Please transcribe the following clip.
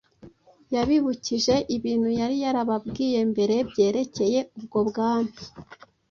Yabibukije ibintu yari yarababwiye mbere byerekeye ubwo Bwami.